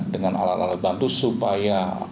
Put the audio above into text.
dengan alat alat bantu supaya